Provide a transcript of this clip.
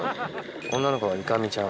女の子はイカ美ちゃん。